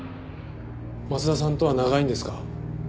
松田さんとは長いんですか？